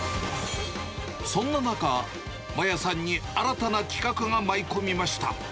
そんな中、麻椰さんに新たな企画が舞い込みました。